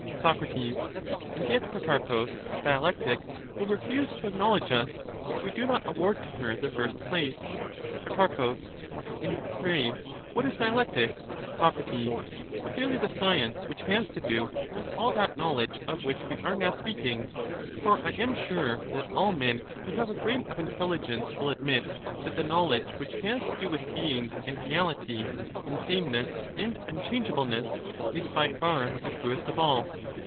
Soc. And yet, Protarchus, dialectic will refuse to acknow Where ledge us, if we do not award to her the first place. ^k^ldL 58 Pro. And pray, what is dialectic ? lectic, the Soc. Clearly the science which has to do with all that ^^^^^ knowledge of which we are now speaking; for I am sure that all men who have a grain of intelligence will admit that the knowledge which has to do with being and reality, and sameness and unchangeableness, is by far the truest of all.